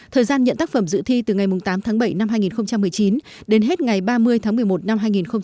thời gian nhận tác phẩm dự thi từ ngày tám tháng bảy năm hai nghìn một mươi chín đến hết ngày ba mươi tháng một mươi một năm hai nghìn hai mươi